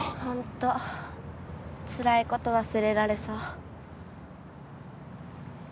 ホントつらいこと忘れられそう。